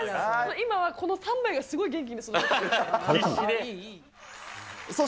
今はこの３枚がすごい元気に育ってる。